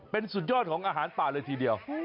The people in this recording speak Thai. เป็นสุดยอดของอาหารป่าเลยทีเดียว